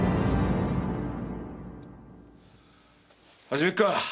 始めるか。